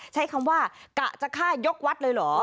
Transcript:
ใช้คำว่ากะจะฆ่ายกวัดเลยเหรอ